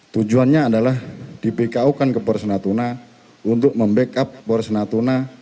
tujuannya adalah di bko kan ke polres natuna untuk membackup polres natuna